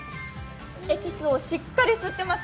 エキスをしっかり吸ってます。